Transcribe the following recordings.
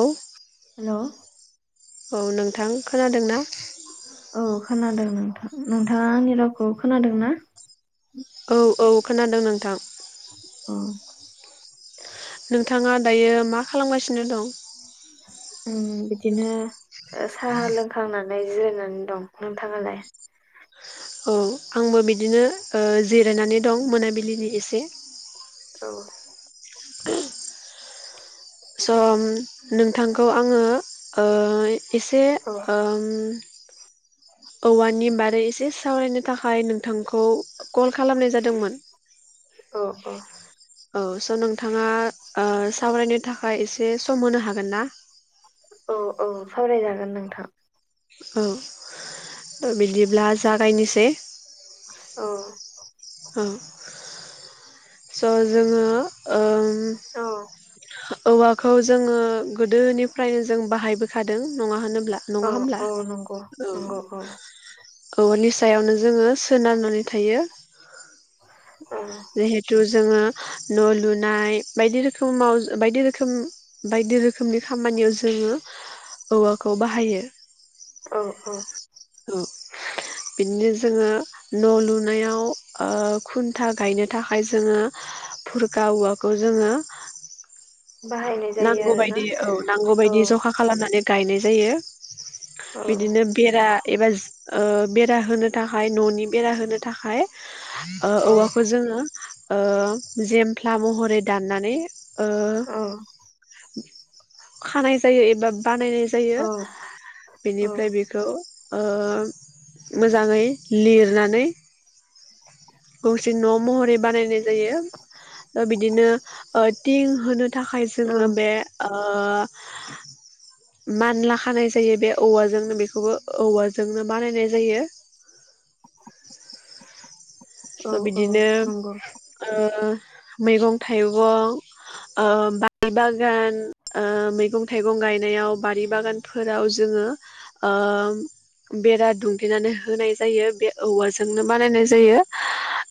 औ। हेल' औ नोंथां। खोनादोंना? औ खोनादों नोंथां नोंथाङा आंनि रावखौ खोनादों ना? औ औ खोनादों नोंथां। औ। नोंथाङा दायो मा खालामगासिनो दं? ओम बिदिनो। ओ साहा लोंखांना नै जिरायनानै दं, नोंथाङालाय? औ आंबो बिदिनो ओ जिरायनानै दं। मोनाबिलिनि एसे औ। स नोंथांखौ आंङोओ अ इसे औ ओ। औवानि बारै एसे सावरायनो थाखाय नोंथांखौ। कल खालामनाय जादोंमोन। औ औ औ स' नोंथाङा ओ सावरायनो थाखाय ओमफाय एसे सम होनो हागोन ना? औ औ सावरायजागोन नोंथां। औ बिदिब्ला जागायनोसै औ। अ स' जोङो ओ उम। औ औवाखौ जोङो गोदोनिफ्रायनो जों बाहायबोखादों नङा होनोब्ला? ब्ला औ नङा होमब्ला? औ नंगौ ओं। नंगौ औ औवानि सायावनो जोङो सोनारनानै थायो। औ जिहेथु जोङो न' लुनाय बायदि रोखोमाव बायदि रोखोम बायदि रोखोमनि खामानियाव जोङो औवाखौ बाहायो। औ औ। औ बिदिनो जोङो न' लुनायाव ओ खुनथा गायनो थाखाय जोङो, फुरगा औवाखौ जोङो, बाहायनाय जायो नांगौ आरोना बायदि औ नांगौ औ बायदि जखा खालामनानै गायनाय जायो। औ बिदिनो बेरा एबा ओ बेरा होनो थाखाय न'नि बेरा होनो थाखाय। ओ औ औवाखौ जोङो ओ जों फ्ला महरै दाननानै ओ। औ खानाय जायो एबा बानायनाय जायो औ बेनिफ्राय बेखौ ओ मोजाङै लिरनानै गंसे न' महरै बानायनाय जायो, बिदिनो ओ थिं थाखाय औ जोङो बे ओ ओ मानला खानाय जायो बे औवाजोंनो बेखौबो औवाजोंनो बानायनाय जायो औ स औ बिदिनो नंगौ ओ मैगं थाइगं ओ बारि बागान ओ मैगं थाइगं गायनायाव बारि बागानफोराव जोङो ओ बेरा दुंथेनानै होनाय जायो बे औवाजोंनो बानायनाय जायो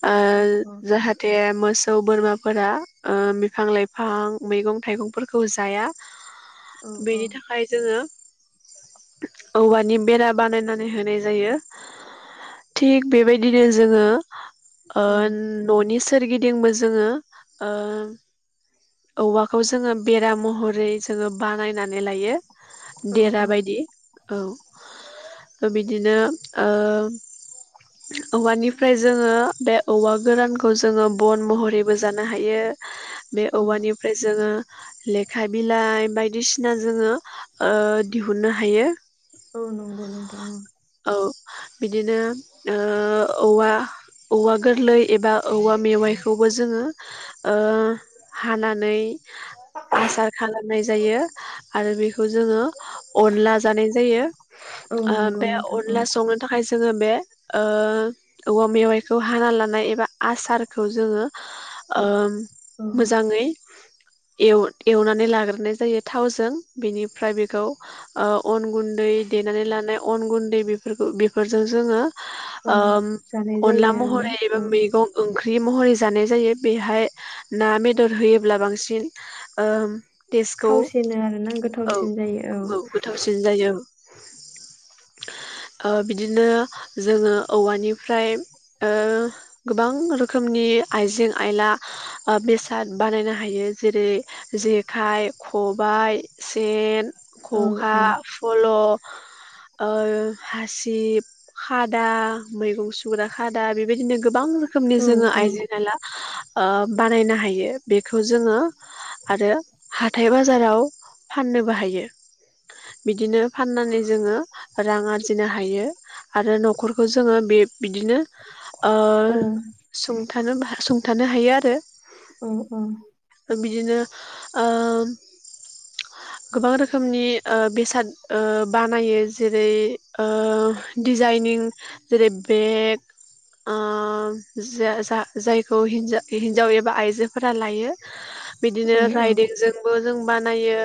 ओ औ औ जाहाथे मो मोसौ बोरमाफोरा ओ बिफां लाइफां मैगं थाइगंफोरखौ जाया औ औ बेनि थाखाय जोङो औवानि बेरा बानायनानै होनाय जायो थिग बेबायदिनो जोङो ओ औ न'नि सोरगिदिंबो जोङो ओ औवाखौ जोङो बेरा महरै जोङो बानायनानै लायो देेरा औ बायदि औ बिदिनो ओ औवानिफ्राय जोङो बे औवा गोरानखौ जोङो बन महरैबो जानो हायो बे औ औवानिफ्राय जोङो लेखा बिलाइ बायदिसिना जोङो ओ दिहुननो हायो औ नंगौ नोंथां औ औ बिदिनो ओ औवा औवा गोरलै एबा औवा मेवाइखौबो जोङो ओ हानानै आसार खाला नाय जायो आरो बेखौ जोङो अनला जानाय जायो औ ओ नंगौ बे नोंथां औ अनला संनो थाखाय जोङो बे ओ औवा मेवाइखौ हाना लानाय एबा आसारखौ जोङो ओ औ मोजाङै एव एवनानै लाग्रोनाय जायो थावजों बेनिफ्राय बेखौ ओ अन गुन्दै देनानै लानाय अन गुन दै बेफोरखौ बेफोरजों जोङो औ ओम जानाय अनला जायो आरोना महरै एबा औ मैगं ओंख्रि ख्रि महरै जानाय जायो बेहाय ना बेदर होयोब्ला बांसिन ओम तेसखौ थावसिनो आरोना औ गोथावसिन जायो औ गोथावसिन जायो औ। [inaudible] ओ बिदिनो जोङो औवानिफ्राय ओ गोबां रोखोमनि आइजें-आइला ओ बेसाद बानायनो हायो जेरै जेखाइ खबाय सेन औ खखा औ फल' [inaudible] ओ हासिब खादा मैगं सुग्रा खादा बेबायदिनो गोबां रोखोमनि औ जोङो आइजें आइला गो ओ बानायनो हायो बेखौ जोङो आरो हाथाय बाजाराव फाननोबो हायो बिदिनो फाननानै जोङो रां आरजिनो हायो आरो न'खरखौ जोङो बे बिदिनो ओ औ सुंथानो सुंथानो हायो आरो औ औ बिदिनो ओ गोबां रोखोमनि बेसाद ओ बानायो जेरै- ओ डिजाइनिं जेरै बेग ओ जा-जा-जायखौ हिनजाव एबा आइजो फोरा लायो बिदिनो राइदिं जोंबो जों बानायो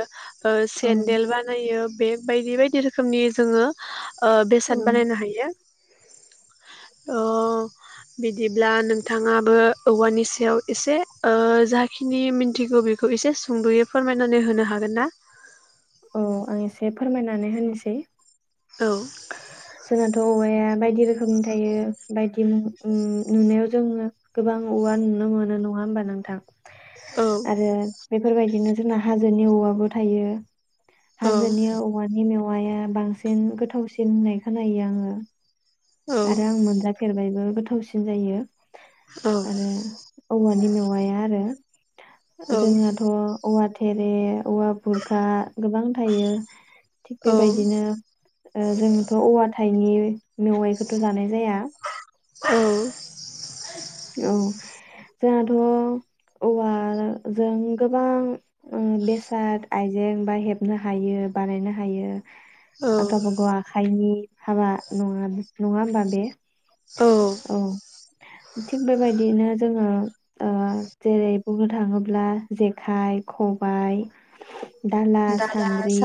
ओ औ सेन्देल बानायो बे बायदि बायदि रोखोमनि जोङो ओ औ बेसाद बानायनो हायो अ बिदिब्ला नोंथाङाबो औवानि सायाव एसे ओ‌ जाखिनि मिथिगौ बेखौ एसे सुंद'यै फोरमायनानै होनो हागोन ना? औ आं एसे फोरमायना नानै होनोसै औ जोनाथ'व औवाया बायदि रोखोमनि थायो बायदि नुनायाव जोङो गोबां औवा नुनो मोनो नङा होमबा नोंथां। औ। आरो बेफोरबायदिनो जोंना हाजोनि औवाबो थायो औ हाजोनि औवानि मेव औवाया बांसिन गोथावसिन होननाय खोनायो आङो औ आरो आं मोनजाफेरबायबो। थावसिन जायो औ। आरो औवानि मेवाया आरो औ जोंनाथ' औवा थेरे औवा खुरखा गोबां थायो थिग औ बेबायदिनो ओ जोंथ' औवा हाइनि मेवायखो थ' जानाय जाया औ। औ जोंहाथ' औवाजों गोबां ओ बेसाद आइजें बा हेबनो हायो बानायनो हायो औ आदबफोरा आखाइनि हाबा नङा नङा होनबा बे? औ। बेबायदिनो जोङो ओ जेरै बुंनो थाङोब्ला जेखाइ, खबाइ दाला, सान्द्रि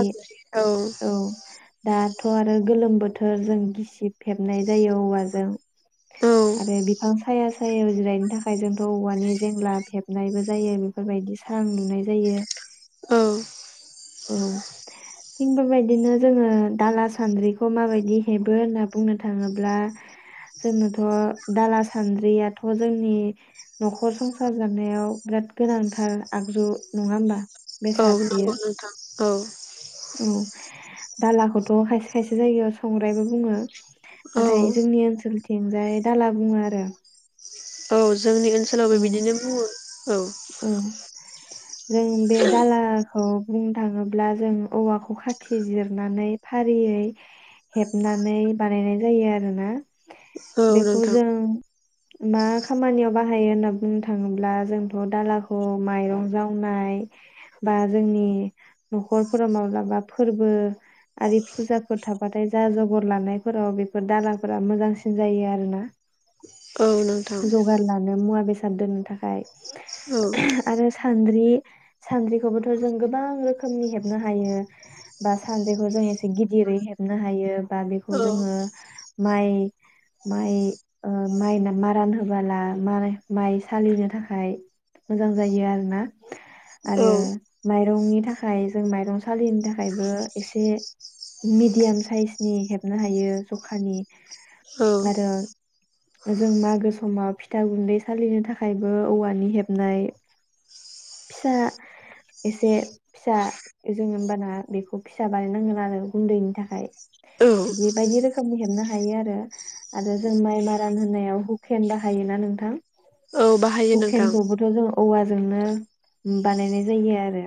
[unintelligible] थ'आरो गोलोम बोथोर जों गिसिब हेबनाय जायो औवाजों। औ आरो बिफां साया सायायाव जिरायनो थाखाय जोंथ'औवानि जेंलाब फेबनायबो जायो बेफोरबायदि सां लुनाय जायो। औ। औ। थिग बेबायदिनो जोङो दाला सान्द्रिखौ माबायदि हेबो होनना बुंनो थाङोब्ला जोंनोथ' दाला सान्द्रियाथ' जोंनि न'खर संसार जानायाव बिराद गोनांथार आगजु नङा होमबा? बेसाद औ बेयो [unintelligible] औ। औ दालाखौथ' खायसे खायसे जायगायाव संग्रायबो बुङो। औ नाथाय जोंनि ओनसोलथि थिंजाय दाला बुङो आरो। औ। जोंनि ओनसोलावबो बिदिनो बुङो। औ उम। जों बे दालाखौ बुंनो थाङोब्ला जों औवाखौ खाथि जिरनानै फारियै हेबनानै बानायनाय जायो आरोना औ बेखौ नोंथां जों मा खामानियाव बाहायो होनना बुंनो थाङोब्ला जों बे दालाखौ माइरं जावनाय बा जोंनि न'खरफोराव माब्लाबा फोरबो आरि फुजाफोर थाबाथाय जा जगर लानायफोराव बेफोर दालाफोरा मोजांसिन जायो आरोना। औ नोंथां जगार लानो मुवा बेसाद दोननो थाखाय। औ। सानद्रि सानद्रिखौबोथ' जों गोबां रोखोमनि हेबनो हायो बा सानद्रिखौ जों एसे गिदिरै हेबनो हायो बा बेखौ औ जोङो माइ माइ ओ माइ मारान होबोला मराय माइ सालिनो थाखाय खाय मोजां जायो आरोना। औ आरो माइरंनि थाखाय जों माइरं सालिनो थाखायबो एसे मिडियाम साइसनि हेबनो हायो जखानि। औ आरो जों मागो समाव फिथा गुन्दै सालिनो थाखायबो औवानि हेबनाय फिसा एसे फिसा जोंङो ओमबाना बेखौ फिसा बानायनांगोन आरो गुन्दैनि थाखाय औ बिदि बायदि रोखोमनि हेबनो हायो आरो आरो जों माइ मारान होनायाव हुकेन बाहायोना नोंथां? औ बाहायो नोंथां हुकेनखौबोथ' जों औवाजोंनो बानायनाय जायो आरो।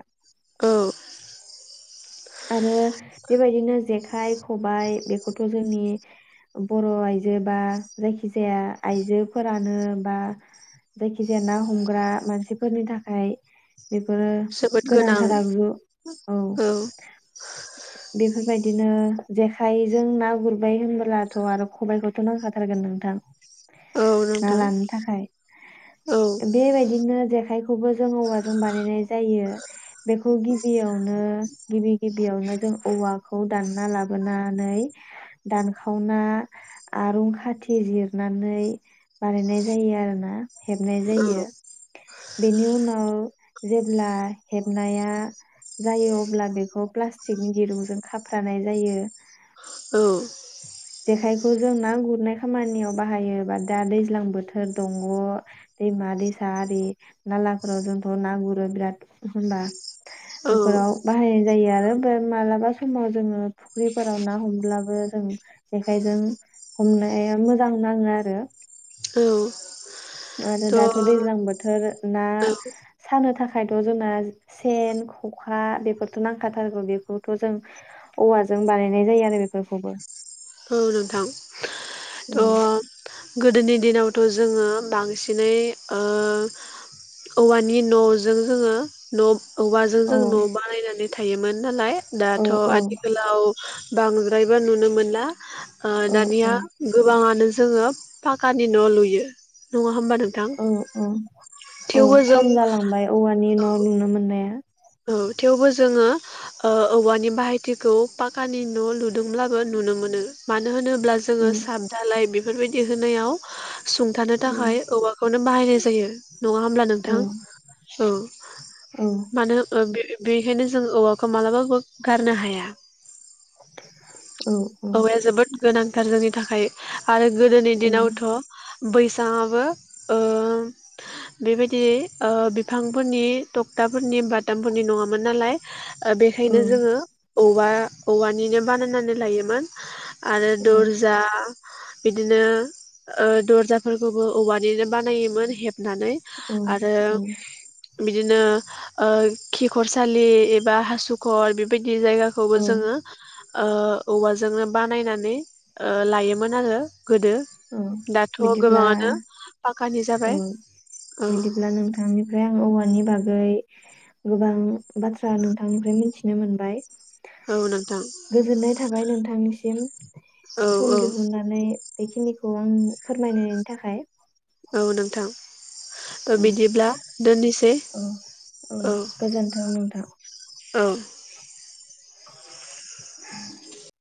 औ। आरो बेबायदिनो जेखाइ खबाय बेखौथ' जोंनि बर' आइजो बा जायखिजाया आइजोफोरानो बा जायखिजाया ना हमग्रा मानसिफोरनि थाखाय बेफोरो जोबोद गोनां गोनांथार आगजु। औ। बेफोरबायदिनो जेखाइजों ना गुरबाय होनबोलाथ आरो खबायाइखौथ नांखाथारगोन नोंथां औ ना नोंथां लानो थाखाय औ बेबायदिनो जेखायखौबो जों औवाजों बानायनाय जायो बेखौ गिबियावनो गिबि गिबियावनो जों औवाखौ दानना लाबोनानै दानखावना आरुं खाथि जिरनानै बानायनाय जायो आरोना हेबनाय औ जायो बेनि उनाव जेब्ला हेबनाया जायो अब अब्ला बेखौ प्लास्टिकनि दिरुंजों खाफ्रानाय जायो औ जेखायखौ जों ना गुरनाय खामानियाव बाहायोबा दा दैज्लां बोथोर दंग दैमा दैसा आरि नालाफोराव जोंथ ना गुरो बिराद होनबा औ बेफोराव बाहायनाय जायो आरो बे मालाबा समाव जोङो फुख्रिफोराव ना हमब्लाबो जों जेखाइजों हमनाया मोजां नाङो आरो औ आरो थ' औ दाथ दैज्लां बोथोर ना सानो थाखा खायथ जोंना सेन खखा बेफो बेथ नांखाथारगौ बेखौथ जों औवाजों बानायनाय जायो आरो बेफोरखौबो औ नोंथां थ' औ गोदोनि दिनावथ जोङो बांसिनै ओ औवानि नजों जोङो न औवाजों औ जों न बानायनानै थायोमोन नालाय औ दाथ आथिखालाव बांद्रायबो नुनो मोनला आ औ दानिया गोबाङानो ज जोङो फाकानि न लुयो नङा होमबा नोंथां औ औ औ थेवबो जों खम जालांबाय औवानि औ न नुनो मोननाया औ थेवबो जोङो ओ औवानि बाहायथिखौ पाकानि न लुदोंब्लाबो नुनो मोनो मानो होनोब्ला ब्ला औ जोङो साब दालाय बे बेफोरबायदि होनायाव सुंथानो औ थाखाय औवाखौनो बाहायनाय जायो नङा होमब्ला औ नोंथां औ औ मानो बे बेनिखायनो जों औवाखौ मालाबाबो गारनो हाया औ औ औवाया जोबोद गोनांथार जोंनि थाखाय आरो गोदोनि औ दिनावथ बैसङाबो ओ बेबायदि ओ बिफांफोरनि थक्थाफोरनि बा थामफोरनि नङामोन नालाय ओ बेखायनो औ जोङो औवा औवानिनो बानायनानै लायोमोन आरो औ दर्जा बिदिनो ओ दरजाफोरखौबो औवानिनो बानायोमोन हेब नानै औ आरो औ बिदिनो ओ खिखर सालि एबा हासुखर बेबायदि बे औ जायगाखौबो जोङो ओ औवाजोंनो बानायनानै ओ लायोमोन आरो। गोदो ओ दाथ' बिदिब्ला गोबाङानो पाक्कानि ओ जाबाय औ बिदिब्ला नोंथांनिफ्राय आं औवानि बागै गै गोबां बाथ्रा नोंथांनिफ्राय मिथिनो मोनबाय। औ नोंथां गोजोननाय थाबाय नोंथांनिसिम। जेन औ सम औ दिहुननानै बेखिनिखौ आं फोरमायनायनि थाखाय औ नोंथां। थ औ बिदिब्ला दोननोसै औ औ गोजोन्थों नोंथां औ। [inaudible]